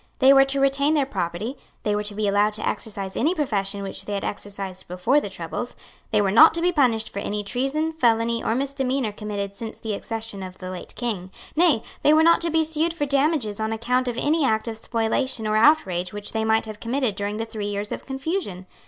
They were to retain their property; they were to be allowed to exercise any profession which they had exercised before the troubles; they were not to be punished for any treason, felony, or misdemeanour committed since the accession of the late King; nay, they were not to be sued for damages on account of any act of spoliation or outrage which they might have committed during the three years of confusion.